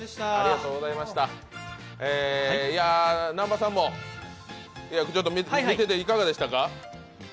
南波さんも、見てていかがでしたか？